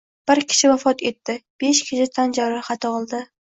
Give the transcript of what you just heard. Bir kishi vafot etdi, besh kishi tan jarohati oldi